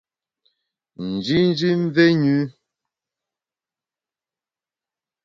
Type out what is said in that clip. Njinji mvé nyü.